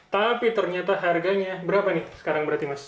tapi ternyata harganya berapa nih sekarang berarti mas